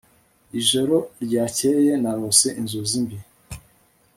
ijoro ryakeye narose inzozi mbi